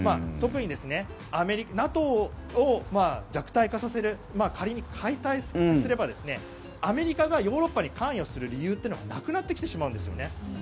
特に、ＮＡＴＯを弱体化させる仮に解体すればアメリカがヨーロッパに関与する理由というのがなくなってきてしまうんですよね。